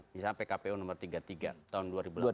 misalnya pkpu nomor tiga puluh tiga tahun